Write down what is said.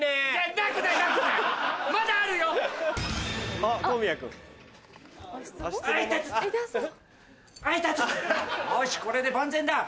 痛たよしこれで万全だ。